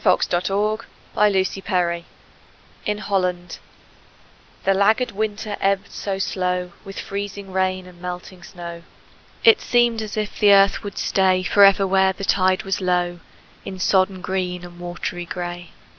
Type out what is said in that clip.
FLOOD TIDE OF FLOWERS IN HOLLAND The laggard winter ebbed so slow With freezing rain and melting snow, It seemed as if the earth would stay Forever where the tide was low, In sodden green and watery gray.